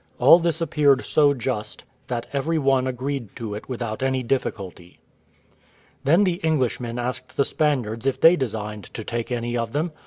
All this appeared so just, that every one agreed to it without any difficulty. Then the Englishmen asked the Spaniards if they designed to take any of them?